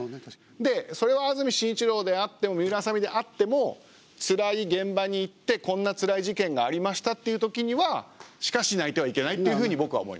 でそれは安住紳一郎であっても水卜麻美であってもつらい現場に行ってこんなつらい事件がありましたっていうときにはしかし泣いてはいけないっていうふうに僕は思います。